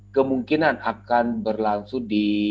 kemungkinan akan berlangsung di